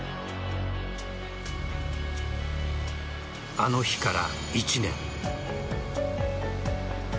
あの日から１年。